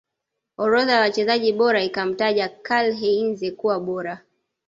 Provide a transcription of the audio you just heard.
orodha ya wachezaji bora ikamtaja KarlHeinze kuwa bora